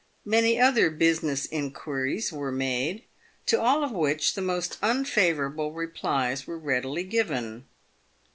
Many other busi ness inquiries were made, to all of which the most unfavourable replies were readily given.